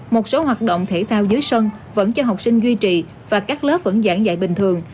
một số hoạt động thể thao dưới sân vẫn cho học sinh duy trì và các lớp vẫn giảng dạy bình thường